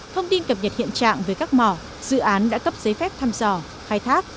thông tin cập nhật hiện trạng về các mỏ dự án đã cấp giấy phép thăm dò khai thác